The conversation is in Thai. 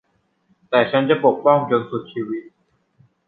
แต่ฉันจะปกป้องจนสุดชีวิต